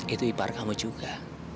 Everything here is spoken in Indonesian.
itu ipar kamu juga